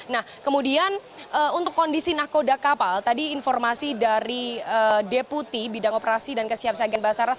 nah kemudian untuk kondisi nakoda kapal tadi informasi dari deputi bidang operasi dan kesiapsa agen basaras